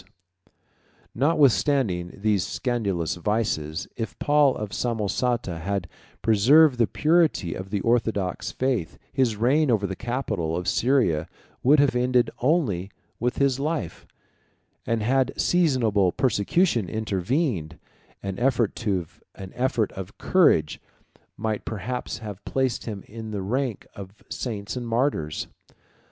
] Notwithstanding these scandalous vices, if Paul of Samosata had preserved the purity of the orthodox faith, his reign over the capital of Syria would have ended only with his life; and had a seasonable persecution intervened, an effort of courage might perhaps have placed him in the rank of saints and martyrs.